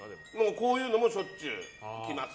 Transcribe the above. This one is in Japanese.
こういうのもしょっちゅう来ます。